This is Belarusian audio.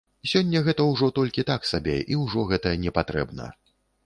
Сёння гэта ўжо толькі так сабе і ўжо гэта непатрэбна.